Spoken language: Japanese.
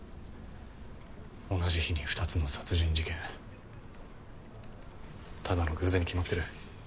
同じ日に２つの殺人事件ただの偶然に決まってる。